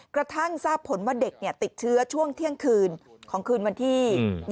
กระทั่งทราบผลว่าเด็กติดเชื้อช่วงเที่ยงคืนของคืนวันที่๒